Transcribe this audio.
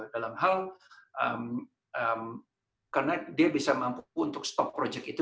dalam hal karena dia bisa mampu untuk stop project itu